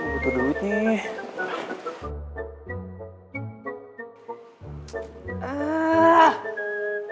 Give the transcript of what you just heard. butuh duit nih